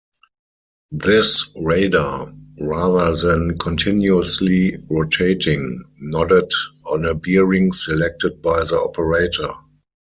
This radar, rather than continuously rotating, nodded on a bearing selected by the operator.